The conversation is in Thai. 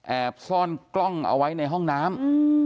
แอบซ่อนกล้องเอาไว้ในห้องน้ำ